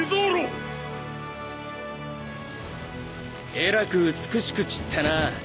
えらく美しく散ったな。